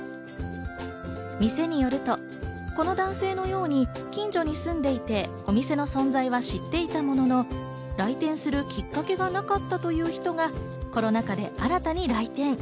店によると、この男性のように近所に住んでいてお店の存在は知っていたものの、来店するきっかけがなかったという人がコロナ禍で新たに来店。